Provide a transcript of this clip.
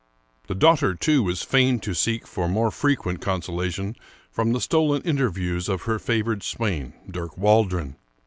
The daughter, too, was fain to seek for more frequent con solation from the stolen interviews of her favored swain. Dirk Waldron.